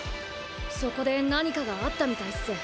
そこで何かがあったみたいっす。